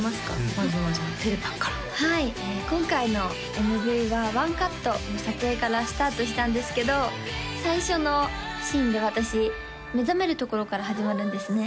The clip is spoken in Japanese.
まずはじゃあてれぱんからはい今回のＭＶはワンカットの撮影からスタートしたんですけど最初のシーンで私目覚めるところから始まるんですね